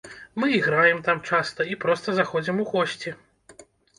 Мы і граем там часта, і проста заходзім у госці.